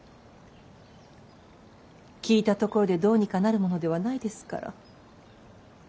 聞いたところでどうにかなるものではないですから。